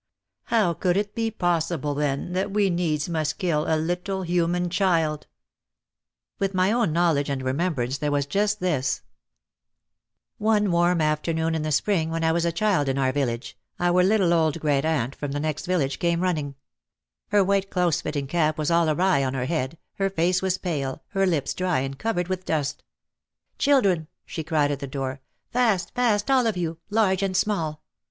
How could it be possible then that we needs must kill a little human child ! Within my own knowledge and remembrance there was just this . One warm afternoon in the spring when I was a child in our village, our little old great aunt from the next village came running. Her white close fitting cap was all awry on her head, her face was pale, her lips dry and covered with dust. "Children !" she cried at the door. "Fast ! fast all of you, large and small.